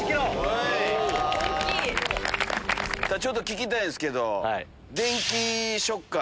ちょっと聞きたいですけど。